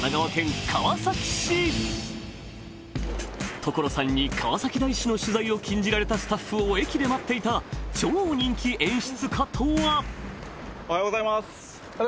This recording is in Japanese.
所さんに川崎大師の取材を禁じられたスタッフを駅で待っていた超人気演出家とは？